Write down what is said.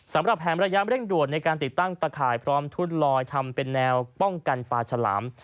สำหรับแผนระยะเร่งด่วนในการติดตั้งตะข่ายพร้อมทุดลอยทำเป็นแนวป้องกันปลาฉลาม